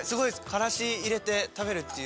カラシ入れて食べるっていう。